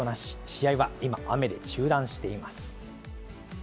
試合は今、雨で中断しています。